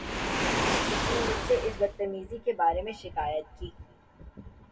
اُس نے مجھ سے اس کی بد تمیزی کے بارے میں شکایت کی۔